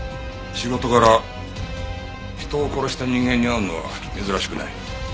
仕事柄人を殺した人間に会うのは珍しくない。